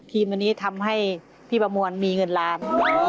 ครีมอันนี้ทำให้พี่บำวนมีเงินล้าง